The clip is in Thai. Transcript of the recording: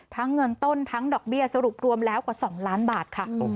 เงินต้นทั้งดอกเบี้ยสรุปรวมแล้วกว่า๒ล้านบาทค่ะ